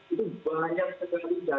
itu banyak sekali data